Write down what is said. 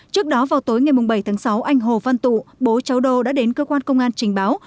trước đó vào tối ngày bảy tháng sáu anh hồ văn tụ bố cháu đô đã đến cơ quan công an trình báo